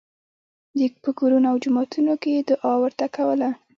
په کورونو او جوماتونو کې یې دعا ورته کوله.